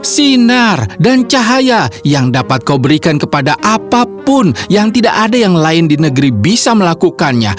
sinar dan cahaya yang dapat kau berikan kepada apapun yang tidak ada yang lain di negeri bisa melakukannya